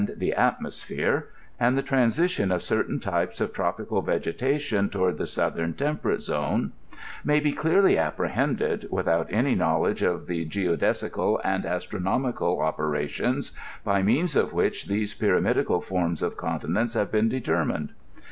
the atmosphere, and the transition of certain types of tropical vegetation toward the southern temperate zone), may be clearly apprehended without any knowledge of the geo desical and. astronomical operations by means of which these pyramidal forms of continents have been determined.